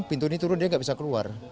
pintu ini turun dia nggak bisa keluar